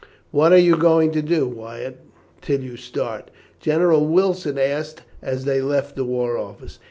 "What are you going to do, Wyatt, till you start?" General Wilson asked, as they left the War Office.